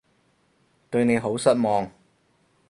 對你好失望